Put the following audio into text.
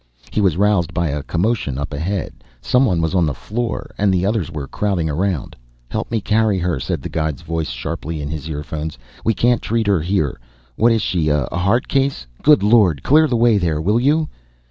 He was roused by a commotion up ahead; someone was on the floor, and the others were crowding around. "Help me carry her," said the guide's voice sharply in his earphones. "We can't treat her here. What is she, a heart case?... Good Lord. Clear the way there, will you?"